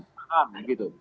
paham ya gitu